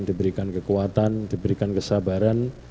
diberikan kekuatan diberikan kesabaran